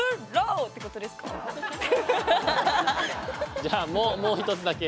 じゃあもう一つだけ。